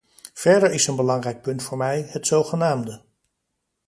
Verder is een belangrijk punt voor mij, het zogenaamde .